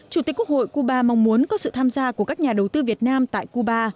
chủ tịch quốc hội cuba mong muốn có sự tham gia của các nhà đầu tư việt nam tại cuba